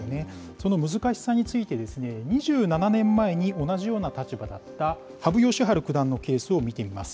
その難しさについて、２７年前に同じような立場だった羽生善治九段のケースを見てみます。